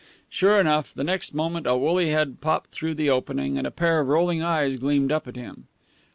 Sure enough, the next moment a woolly head popped through the opening, and a pair of rolling eyes gleamed up at him.